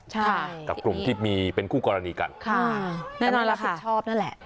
ใช่กับกลุ่มที่มีเป็นคู่กรณีกันค่ะก็มารับผิดชอบนั่นแหละ